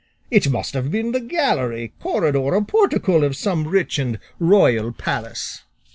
It must have been the gallery, corridor, or portico of some rich and royal palace."